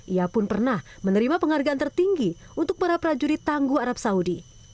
ia pun pernah menerima penghargaan tertinggi untuk para prajurit tangguh arab saudi